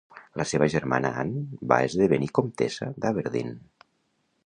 La seva germana Anne va esdevenir comtessa d'Aberdeen.